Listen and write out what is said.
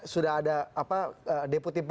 sudah ada deputi empat